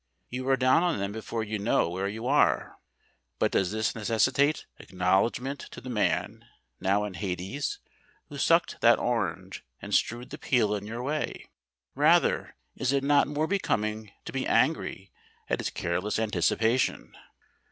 You are down on them before you know where you are. But does this necessitate acknowledgment to the man, now in Hades, who sucked that orange and strewed the peel in your way? Rather, is it not more becoming to be angry at his careless anticipation?